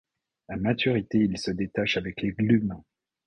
A maturité ils se détachent avec les glumes.